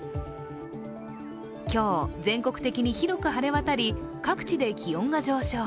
今日、全国的に広く晴れ渡り各地で気温が上昇。